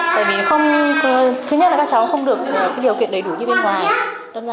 tại vì không thứ nhất là các cháu không được điều kiện đầy đủ như bên ngoài